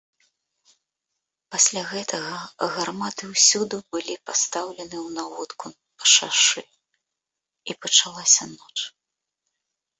Пасля гэтага гарматы ўсюды былі пастаўлены ў наводку па шашы, і пачалася ноч.